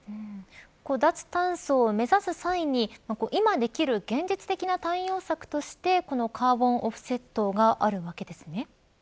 脱炭素を目指す際に今できる現実的な対応策としてこのカーボンオフセットがあるわけですね。